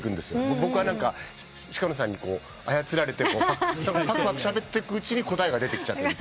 僕は鹿野さんに操られてぱくぱくしゃべってくうちに答えが出てきちゃってる。